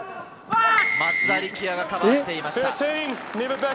松田力也がカバーしていました。